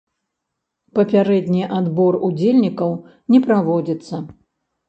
Папярэдні адбор удзельнікаў не праводзіцца.